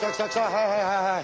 はいはいはいはい！